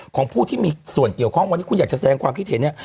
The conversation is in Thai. ของผู้ที่มีส่วนเกี่ยวข้องวันนี้คุณอยากจะแสดงความคิดเห็นเนี่ย